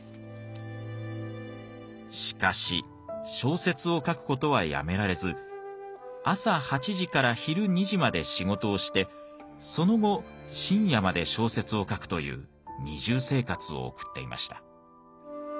しかし小説を書く事はやめられず朝８時から昼２時まで仕事をしてその後深夜まで小説を書くという二重生活を送っていました。